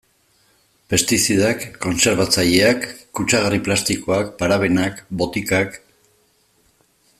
Pestizidak, kontserbatzaileak, kutsagarri plastikoak, parabenak, botikak...